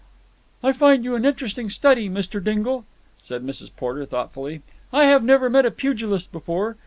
"I find you an interesting study, Mr. Dingle," said Mrs. Porter thoughtfully. "I have never met a pugilist before.